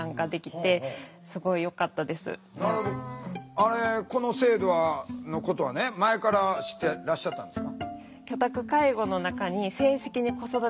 あれこの制度のことはね前から知ってらっしゃったんですか？